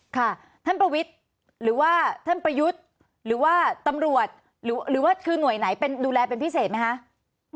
ค่ะท่านประวิทย์หรือว่าท่านประยุทธ์หรือว่าตำรวจหรือว่าคือหน่วยไหนเป็นดูแลเป็นพิเศษไหมคะ